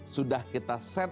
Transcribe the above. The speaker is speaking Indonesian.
sudah kita set up